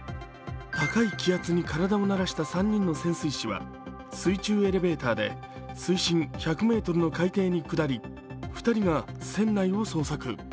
高い気圧に体を慣らした３人の潜水士は水中エレベーターで水深１００ｍの海底に下り２人が船内を捜索。